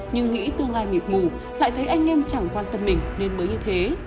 nhưng nghĩ tương lai mịt mù lại thấy anh em chẳng quan tâm mình nên mới như thế